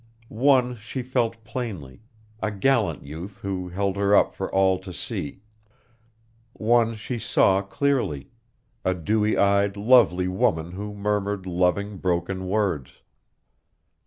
One she felt plainly a gallant youth who held her up for all to see. One she saw clearly a dewy eyed, lovely woman who murmured loving, broken words.